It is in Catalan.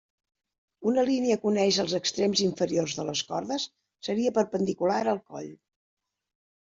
Una línia que uneix els extrems inferiors de les cordes seria perpendicular al coll.